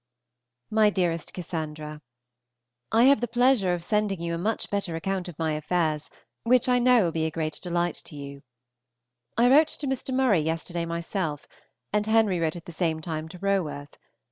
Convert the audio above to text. MY DEAREST CASSANDRA, I have the pleasure of sending you a much better account of my affairs, which I know will be a great delight to you. I wrote to Mr. Murray yesterday myself, and Henry wrote at the same time to Roworth.